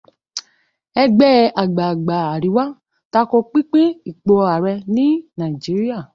Ẹgbẹ́ àgbààgbà Àríwá tako pínpín ipò ààrẹ ní Nàíjíríà.